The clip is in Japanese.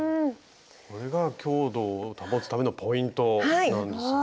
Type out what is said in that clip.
これが強度を保つためのポイントなんですね。